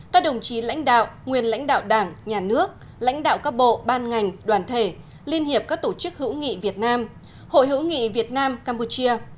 các đồng chí lãnh đạo nguyên lãnh đạo đảng nhà nước lãnh đạo các bộ ban ngành đoàn thể liên hiệp các tổ chức hữu nghị việt nam hội hữu nghị việt nam campuchia